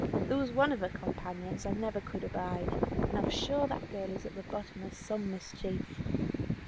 There was one of her companions I never could abide, and I'm sure that girl is at the bottom of some mischief.